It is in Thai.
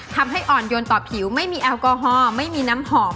ทำให้อ่อนโยนต่อผิวไม่มีแอลกอฮอล์ไม่มีน้ำหอม